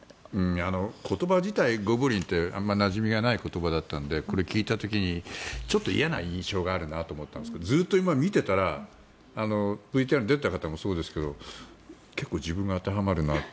言葉自体、ゴブリンってあまりなじみがない言葉だったのでちょっと嫌な印象があるなと思ったんですがずっと見ていたらＶＴＲに出ていた方もそうですが結構、自分が当てはまるなって。